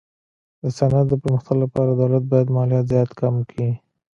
د صنعت د پرمختګ لپاره دولت باید مالیات زیات کم کي.